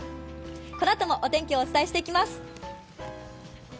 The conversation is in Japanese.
このあともお天気をお伝えしていきます。